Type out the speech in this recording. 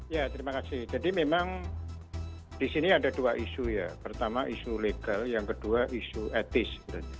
ya terima kasih jadi memang di sini ada dua isu ya pertama isu legal yang kedua isu etis